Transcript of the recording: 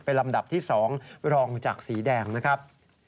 เป็นลำดับที่๒รองจากสีแดงนะครับ